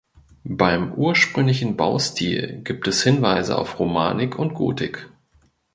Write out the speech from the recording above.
Beim ursprünglichen Baustil gibt es Hinweise auf Romanik und Gotik.